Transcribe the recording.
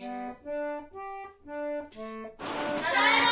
・ただいま！